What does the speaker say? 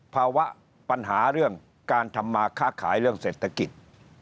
ภาวะปัญหาเรื่องการทำมาค้าขายเรื่องเศรษฐกิจ